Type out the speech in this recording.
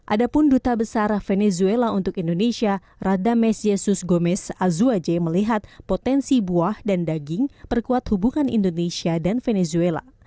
ada pun duta besar venezuela untuk indonesia radames yesus gomez azuaje melihat potensi buah dan daging perkuat hubungan indonesia dan venezuela